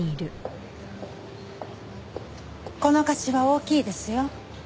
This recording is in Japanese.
この貸しは大きいですよ。